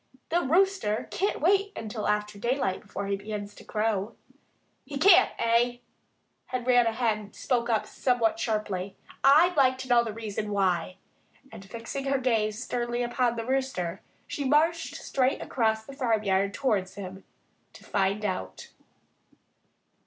The Rooster can't wait until after daylight, before he begins to crow." "He can't, eh?" Henrietta Hen spoke up somewhat sharply. "I'd like to know the reason why!" And fixing her gaze sternly upon the Rooster, she marched straight across the farmyard towards him, to find out.